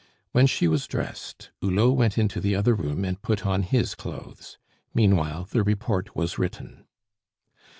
When she was dressed, Hulot went into the other room and put on his clothes. Meanwhile the report was written.